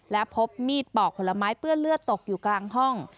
และพบมีดปอกผลไม้เปื้อนเลือดตกอยู่กลางห้อง